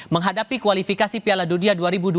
menghadapi kualifikasi piala dunia dua ribu dua puluh